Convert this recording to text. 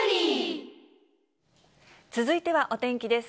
続いてはお天気です。